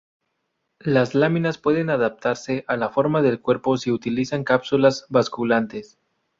Las láminas pueden adaptarse a la forma del cuerpo si utilizan cápsulas basculantes.